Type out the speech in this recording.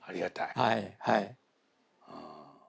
はいはい。